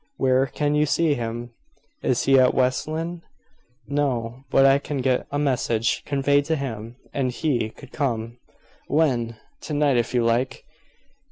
Where can you see him?" "Is he at West Lynne?" "No. But I can get a message conveyed to him, and he could come." "When?" "To night, if you like."